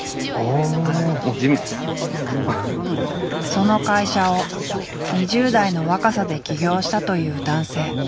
その会社を２０代の若さで起業したという男性。